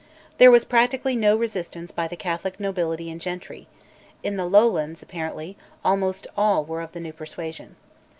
There was practically no resistance by the Catholic nobility and gentry: in the Lowlands, apparently, almost all were of the new persuasion.